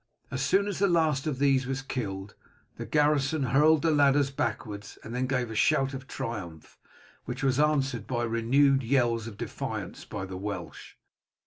As soon as the last of these was killed the garrison hurled the ladders backwards and then gave a shout of triumph, which was answered by renewed yells of defiance by the Welsh.